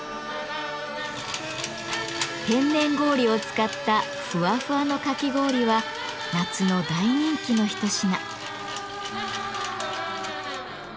天然氷を使ったふわふわのかき氷は夏の大人気の一品。